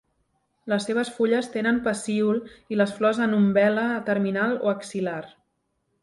Les seves fulles tenen pecíol i les flors en umbel·la terminal o axil·lar.